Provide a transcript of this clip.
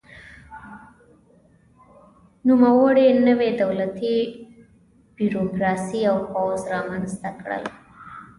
نوموړي نوې دولتي بیروکراسي او پوځ رامنځته کړل.